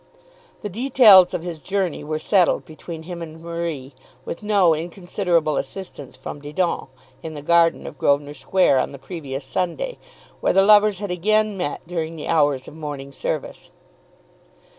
The details of his journey were settled between him and Marie, with no inconsiderable assistance from Didon, in the garden of Grosvenor Square, on the previous Sunday, where the lovers had again met during the hours of morning service.